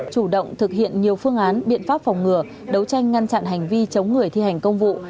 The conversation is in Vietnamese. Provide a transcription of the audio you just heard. chủ động thực hiện nhiều phương án biện pháp phòng ngừa đấu tranh ngăn chặn hành vi chống người thi hành công vụ